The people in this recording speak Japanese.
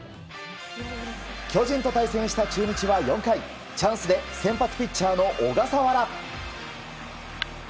巨人と対戦した中日は４回チャンスで先発ピッチャーの小笠原。